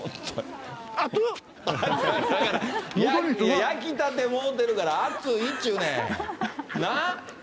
焼きたてもろてるから、熱いっちゅうねん、な？